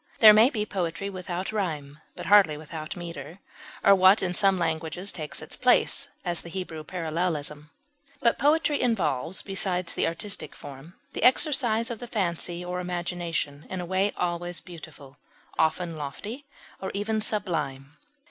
There may be poetry without rime, but hardly without meter, or what in some languages takes its place, as the Hebrew parallelism; but poetry involves, besides the artistic form, the exercise of the fancy or imagination in a way always beautiful, often lofty or even sublime.